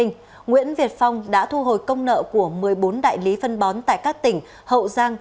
nguyễn việt phong đã thu hồi công nợ của một mươi bốn đại lý phân bón tại các tỉnh hậu giang